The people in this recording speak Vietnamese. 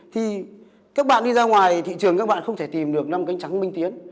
thì các bạn đi ra ngoài thị trường các bạn không thể tìm được năm cánh trắng minh tiến